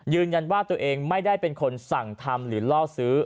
ยืนยันว่าตัวเองไม่ได้เป็นคนสั่งทำหรือล่อซื้อ